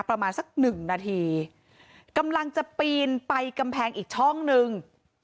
ประมาณสักหนึ่งนาทีกำลังจะปีนไปกำแพงอีกช่องนึง